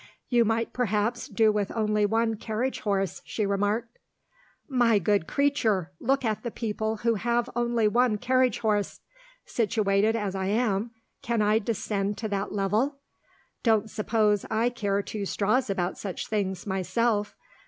"You might perhaps do with only one carriage horse," she remarked. "My good creature, look at the people who have only one carriage horse! Situated as I am, can I descend to that level? Don't suppose I care two straws about such things, myself.